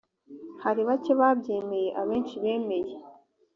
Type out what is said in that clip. hari bake babyemeye abenshi bemeye